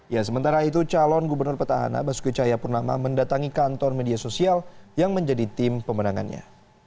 ya sementara itu calon gubernur petahana basuki cahaya purnama mendatangi kantor media sosial yang menjadi tim pemenangannya